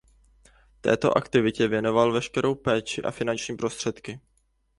Této aktivitě věnoval veškerou péči a finanční prostředky.